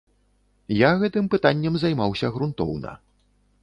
Я гэтым пытаннем займаўся грунтоўна.